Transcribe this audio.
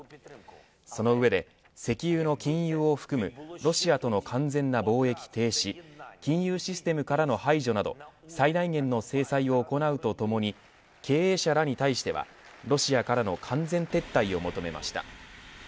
その上で石油の禁輸を含むロシアとの完全な貿易停止金融システムからの排除など最大限の制裁を行うとともに経営者らに対してはロシアからの完全撤退を求めました。